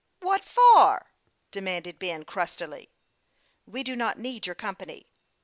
" "What for ?" demanded Ben, crustily. " We do not need your company."